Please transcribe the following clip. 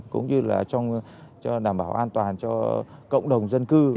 cũng như là trong đảm bảo an toàn cho cộng đồng dân cư